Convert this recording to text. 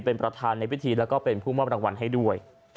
เป็นประธานในพิธีแล้วก็เป็นผู้มอบรางวัลให้ด้วย